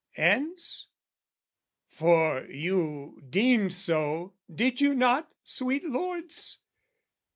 Ends? for you deemed so, did you not, sweet lords?